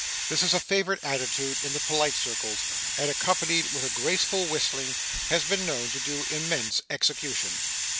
This is a favourite attitude in the polite circles, and, accompanied with a graceful whistling, has been known to do immense execution.